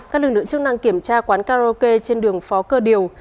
các lực lượng chức năng kiểm tra quán karaoke trên đường phó cơ điều